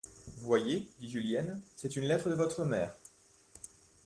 Voyez, dit Julienne, c'est une lettre de votre mère.